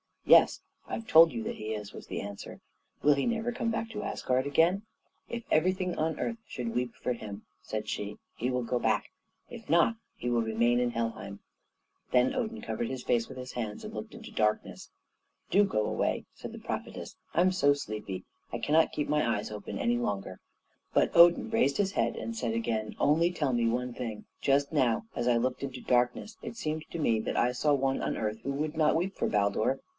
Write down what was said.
"Yes, I've told you that he is," was the answer. "Will he never come back to Asgard again?" "If everything on earth should weep for him," said she, "he will go back; if not, he will remain in Helheim." Then Odin covered his face with his hands and looked into darkness. "Do go away," said the prophetess, "I'm so sleepy; I cannot keep my eyes open any longer." But Odin raised his head and said again, "Only tell me one thing. Just now, as I looked into darkness, it seemed to me that I saw one on earth who would not weep for Baldur.